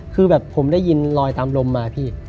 คือแบบผมได้ยินลอยตามลมมาพี่